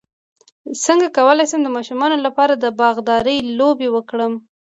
څنګه کولی شم د ماشومانو لپاره د باغدارۍ لوبې وکړم